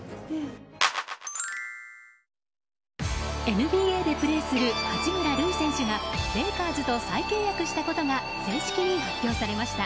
ＮＢＡでプレーする八村塁選手がレイカーズと再契約したことが正式に発表されました。